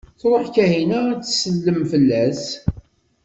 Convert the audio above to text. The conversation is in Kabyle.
Truḥ Kahina ad tsellem fell-as.